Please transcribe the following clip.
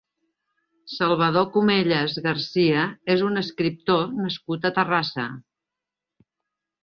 Salvador Comelles Garcia és un escriptor nascut a Terrassa.